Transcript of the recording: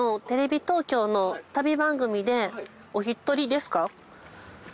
テレビ東京の旅番組でお一人ですか？